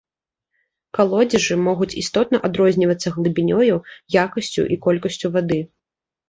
Калодзежы могуць істотна адрознівацца глыбінёю, якасцю і колькасцю вады.